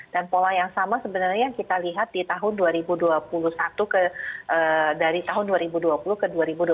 dan pola yang sama sebenarnya yang kita lihat di tahun dua ribu dua puluh satu dari tahun dua ribu dua puluh ke dua ribu dua puluh satu